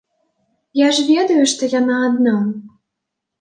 Я ж ведаю, што яна адна.